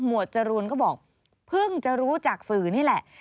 วดจรูนก็บอกเพิ่งจะรู้จากสื่อนี่แหละ